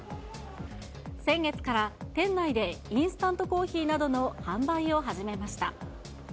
先月から、店内でインスタントコーヒーなどの販売を始めました。